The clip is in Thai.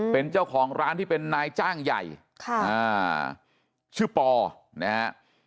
เป็นเจ้าของร้านที่เป็นนายจ้างใหญ่ชื่อปอนะฮะ